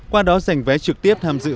qua đó giành vé trực tiếp tham dự